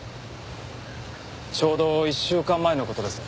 ちょうど１週間前の事です。